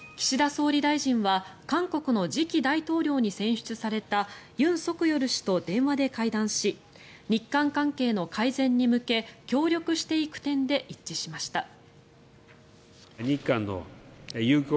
岸田総理大臣は韓国の次期大統領に選出されたユン・ソクヨル氏と電話で会談し日韓関係の改善に向け協力していく点で一致しました。